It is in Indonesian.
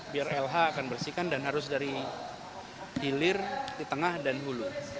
biar lh akan bersihkan dan harus dari hilir di tengah dan hulu